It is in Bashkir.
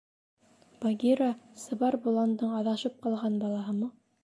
Багира — сыбар боландың аҙашып ҡалған балаһымы?